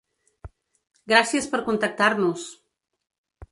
Gràcies per contactar-nos!